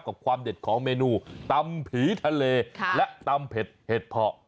ความเด็ดของเมนูตำผีทะเลและตำเผ็ดเห็ดเพาะ